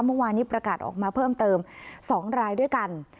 เมื่อวานนี้ประกาศออกมาเพิ่มเติม๒รายด้วยกัน